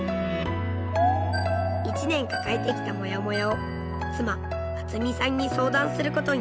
１年抱えてきたもやもやを妻淳美さんに相談することに。